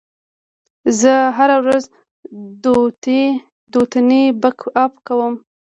زه هره ورځ دوتنې بک اپ کوم.